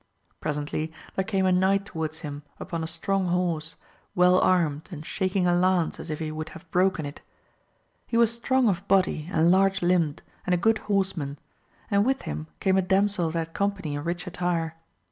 Presently therfe came a knight towards him upon a strong horse, well armed and shaking a lance as if he would have broken it ; he was strong of body, and large limbed, and a good horseman, and with him came a damsel of that company in rich attire.